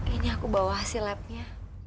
ini aku bawa hasil lab nya